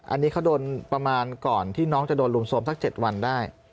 อันนี้เขาโดนประมาณก่อนที่น้องจะโดนรุมโทรมสัก๗วันได้